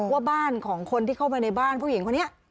ว่าบ้านของคนที่เข้าไปในบ้านผู้หญิงคนนี้